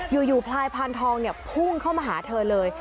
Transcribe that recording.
อยู่พลายพานทองเนี่ยพุ่งเข้ามาหาเธอเลย